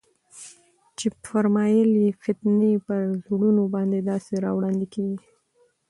چي فرمايل ئې: فتنې پر زړونو باندي داسي راوړاندي كېږي